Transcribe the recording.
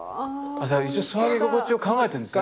じゃあ一応座り心地を考えてるんですね。